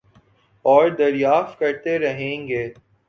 اوردریافت کرتے رہیں گے